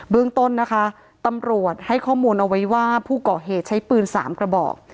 เรื่องต้นนะคะตำรวจให้ข้อมูลเอาไว้ว่าผู้ก่อเหตุใช้ปืน๓กระบอก